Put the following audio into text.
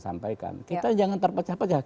sampaikan kita jangan terpecah pecah